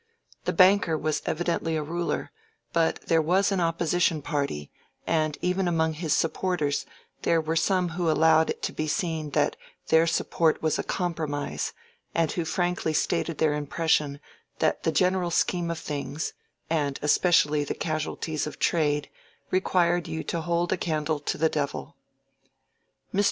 The banker was evidently a ruler, but there was an opposition party, and even among his supporters there were some who allowed it to be seen that their support was a compromise, and who frankly stated their impression that the general scheme of things, and especially the casualties of trade, required you to hold a candle to the devil. Mr.